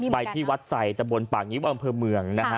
ไปที่วัดไสแต่บนปากนี้ว่าอำเภอเมืองนะคะ